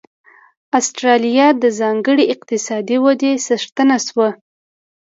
اسټرالیا د ځانګړې اقتصادي ودې څښتنه شوه.